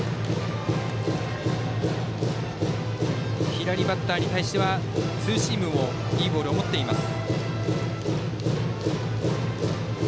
左バッターに対してはツーシームもいいボールを持っています。